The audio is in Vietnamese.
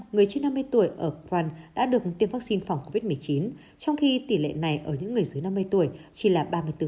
người trên năm mươi tuổi ở gran đã được tiêm vaccine phòng covid một mươi chín trong khi tỷ lệ này ở những người dưới năm mươi tuổi chỉ là ba mươi bốn